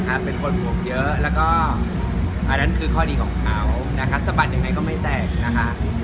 แล้วก็อันนั้นคือข้อดีของเขาสะบัดยังไงก็ไม่แตก